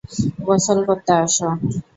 গোসল করতে আসো!